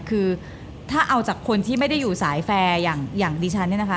คือถ้าเอาจากคนที่ไม่ได้อยู่สายแฟร์อย่างดิฉันเนี่ยนะคะ